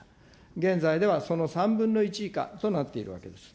現在ではその３分の１以下となっているわけです。